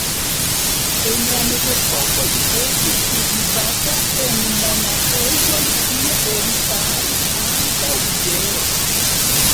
En la mezepoko ĝi estis kultivata en monaĥejoj, kie oni faris ankaŭ bieron.